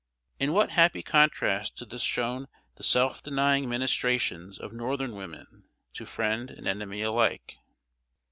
In what happy contrast to this shone the self denying ministrations of northern women, to friend and enemy alike!